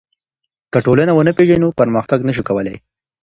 که ټولنه ونه پېژنو پرمختګ نسو کولای.